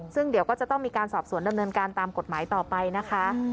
ซึ่งเดี๋ยวก็จะต้องมีการสอบสวนดำเนินการตามกฎหมายต่อไปนะคะ